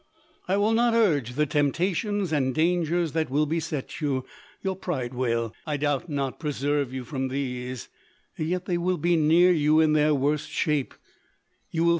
I will not urge the temptations and dangers that will beset you ; your pride will, I doubt not, preserve you from these, yet they will be near you in their worst shape : you will L0D011E.